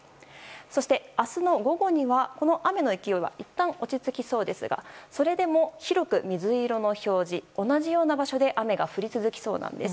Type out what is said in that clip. そして明日の午後にはこの雨の勢いはいったん落ち着きそうですがそれでも、広く水色の表示同じような場所で雨が降り続きそうなんです。